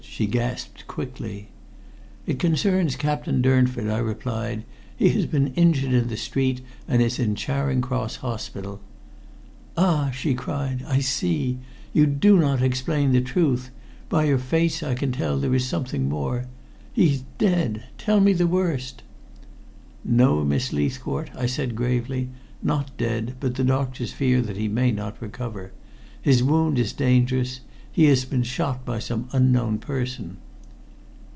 she gasped quickly. "It concerns Captain Durnford," I replied. "He has been injured in the street, and is in Charing Cross Hospital." "Ah!" she cried. "I see. You do not explain the truth. By your face I can tell there is something more. He's dead! Tell me the worst." "No, Miss Leithcourt," I said gravely, "not dead, but the doctors fear that he may not recover. His wound is dangerous. He has been shot by some unknown person."